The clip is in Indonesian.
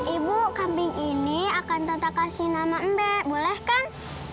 ibu kambing ini akan tetap kasih nama mb boleh kan